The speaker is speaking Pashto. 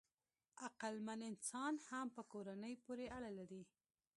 عقلمن انسان هم په یوه کورنۍ پورې اړه لري.